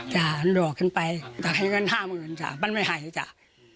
จ้ามันหลอกฉันไปนะดิมันหลอกฉันไปแต่ให้เงิน๕หมื่นจ้ามันไม่ให้จ้า